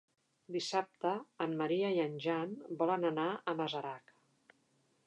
Dissabte en Maria i en Jan volen anar a Masarac.